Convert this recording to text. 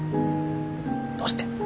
どうして？